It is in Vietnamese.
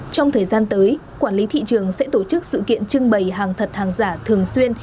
trong thời gian tới quản lý thị trường sẽ tổ chức sự kiện trưng bày hàng thật hàng giả thường xuyên